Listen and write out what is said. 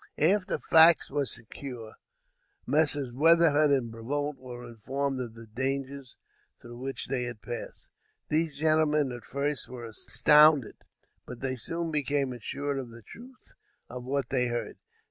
After Fox was secured, Messrs. Weatherhead and Brevoort, were informed of the dangers through which they had passed. These gentlemen, at first were astounded, but they soon became assured of the truth of what they heard.